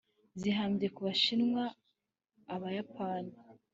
zirambye ku bashinwa, abayapani,